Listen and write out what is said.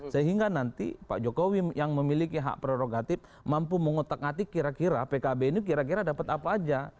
sehingga nanti pak jokowi yang memiliki hak prerogatif mampu mengotak ngatik kira kira pkb ini kira kira dapat apa aja